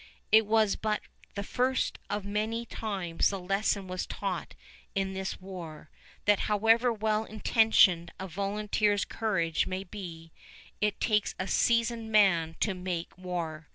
It was but the first of the many times the lesson was taught in this war, that however well intentioned a volunteer's courage may be, it takes a seasoned man to make war.